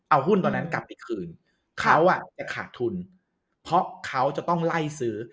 เอาหุ้นตัวนั้นกลับไปคืนเขาอ่ะจะขาดทุนเพราะเขาจะต้องไล่ซื้อ